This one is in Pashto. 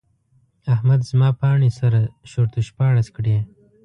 احمد زما پاڼې سره شرت او شپاړس کړې.